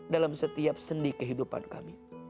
dalam setiap sendi kehidupan kami